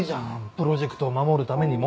プロジェクトを守るためにも。